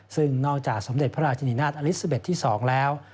ซึ่งนอกจากสมเด็จพระราชนีนาฏอลิซาเบ็ดที่๒แล้ว